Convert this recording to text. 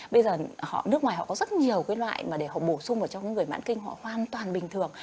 bây giờ họ nước ngoài họ có rất nhiều cái loại mà để họ bổ sung vào trong cái người mãn kinh họ hoàn toàn bình thường